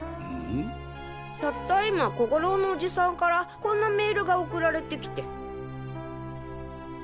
たった今小五郎のおじさんからこんなメールが送られてきて。